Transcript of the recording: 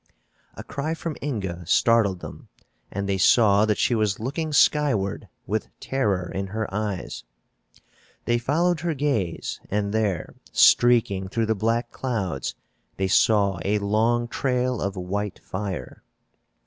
A cry from Inga startled them and they saw that she was looking skyward, with terror in her eyes. They followed her gaze and there, streaking through the black clouds, they saw a long trail of white fire.